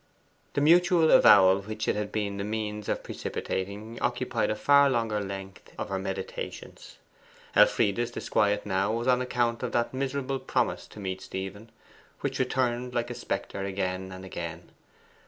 The mutual avowal which it had been the means of precipitating occupied a far longer length of her meditations. Elfride's disquiet now was on account of that miserable promise to meet Stephen, which returned like a spectre again and again.